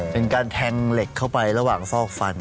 เป็นการแทงเหล็กเข้าไประหว่างซอกฟัน